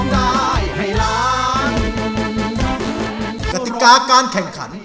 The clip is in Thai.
กฎิกาการแข่งขัน